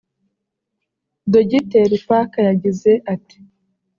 Dogiteri Parker yagize ati